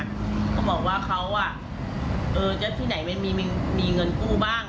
เขาบอกว่าเขาอ่ะเออเจ๊เจ๊ที่ไหนมันมีมีเงินกู้บ้าง